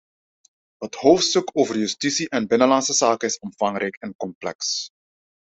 Het hoofdstuk over justitie en binnenlandse zaken is omvangrijk en complex.